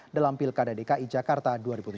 dalam pilkada dki jakarta dua ribu tujuh belas